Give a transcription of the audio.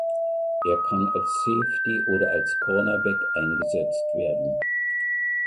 Er kann als Safety oder als Cornerback eingesetzt werden.